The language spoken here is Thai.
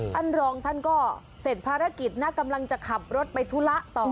ท่านรองท่านก็เสร็จภารกิจนะกำลังจะขับรถไปธุระต่อ